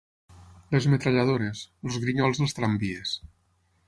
Les metralladores, els grinyols dels tramvies